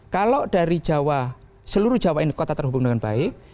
kalau dari jawa seluruh jawa ini kota terhubung dengan baik